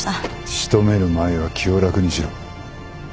仕留める前は気を楽にしろ。